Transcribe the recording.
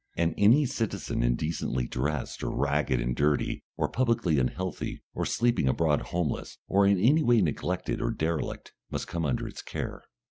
And any citizen indecently dressed, or ragged and dirty, or publicly unhealthy, or sleeping abroad homeless, or in any way neglected or derelict, must come under its care.